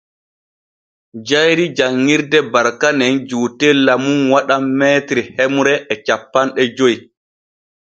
Jayri janŋirde Barka nen juutella mum waɗan m hemre e cappanɗe joy.